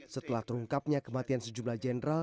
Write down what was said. setelah terungkapnya kematian sejumlah jenderal